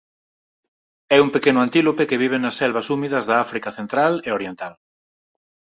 É un pequeno antílope que vive nas selvas húmidas da África central e oriental.